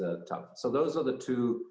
dalam hal tersebut